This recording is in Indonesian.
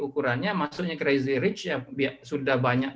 kan masuk juga